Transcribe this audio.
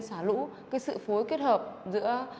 xả lũ cái sự phối kết hợp giữa